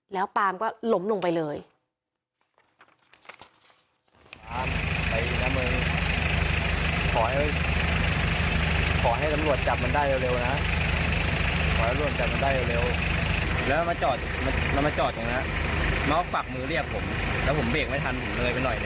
แล้วปามก็ล้มลงไปเลย